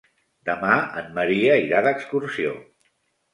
Demà en Maria irà d'excursió.